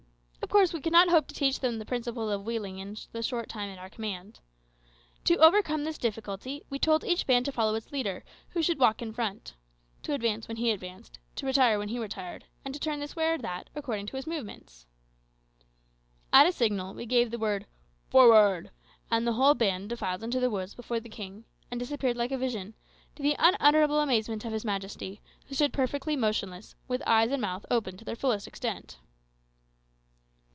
Of course we could not hope to teach them the principles of wheeling in the short time at our command. To overcome this difficulty, we told each band to follow its leader, who should walk in front; to advance when he advanced, to retire when he retired, and to turn this way or that way, according to his movements. At a signal we gave the word "Forward!" and the whole band defiled into the woods before the king, and disappeared like a vision, to the unutterable amazement of his majesty, who stood perfectly motionless, with eyes and mouth open to their fullest extent.